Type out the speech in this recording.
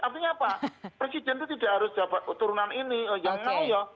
artinya apa presiden itu tidak harus dapat turunan ini yang